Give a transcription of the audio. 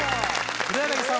黒柳さん